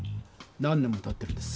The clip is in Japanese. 何年もたってるんです。